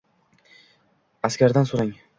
Askardan so’rang.